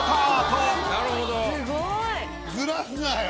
ずらすなよ。